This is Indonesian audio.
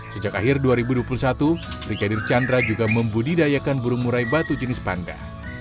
sejak akhir dua ribu dua puluh satu brigadir chandra juga membudidayakan burung murai batu jenis panda